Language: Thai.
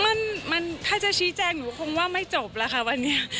มันถ้าจะชี้แจงหนูคงว่าไม่จบแล้วค่ะวันนี้